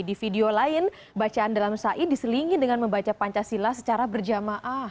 di video lain bacaan dalam sa'i diselingi dengan membaca pancasila secara berjamaah